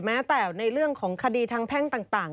แม้แต่ในเรื่องของคดีทางแพ่งต่าง